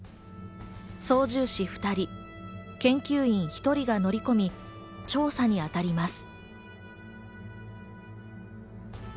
操縦士２人、研究員１人が乗り込み調査にあたります。